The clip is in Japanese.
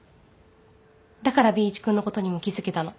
だからＢ一君のことにも気付けたの。